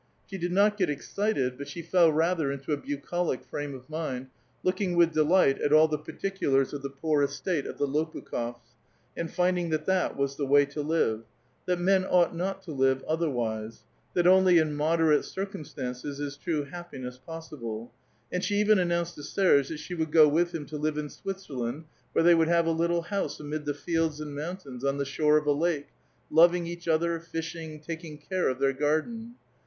She did not get exeited, but slie fell rather into a bucolic frame of mind, looking with deliglit at all the particulars of the poor estate of the Lopnkhofs*, and fmding that that was the way to live ; that men ought not to live otherwise ; that only in moderate cireuuistances is true happiness possible, and she even announeed to Serge thab she would go with him to live in Switzerland, where they would have a little house amid the fields and mountains, on tlie shore of a lake, loving each other, tishing, taking care of their garden.